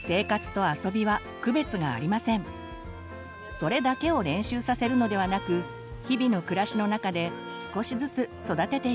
それだけを練習させるのではなく日々の暮らしの中で少しずつ育てていきましょう。